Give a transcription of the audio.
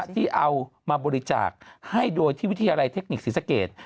ที่เอามาบริจาคให้โดยที่วิทยาลัยเทคนิคศรีสเกต